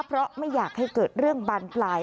เพราะไม่อยากให้เกิดเรื่องบานปลาย